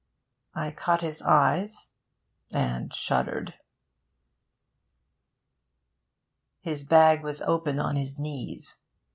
I caught his eyes, and shuddered... His bag was open on his knees.